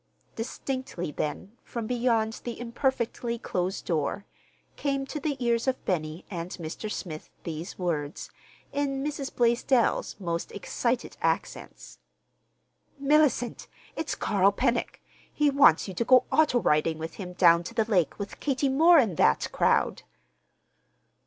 Distinctly then, from beyond the imperfectly closed door, came to the ears of Benny and Mr. Smith these words, in Mrs. Blaisdell's most excited accents:—"Mellicent, it's Carl Pennock. He wants you to go auto riding with him down to the Lake with Katie Moore and that crowd."